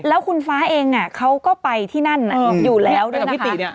แล้วคุณฟ้าเองอ่ะเขาก็ไปที่นั่นอ่ะอืมอยู่แล้วด้วยนะคะพิติเนี้ย